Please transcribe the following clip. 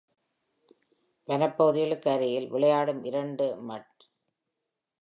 வனப்பகுதிகளுக்கு அருகில் விளையாடும் இரண்டு மட்.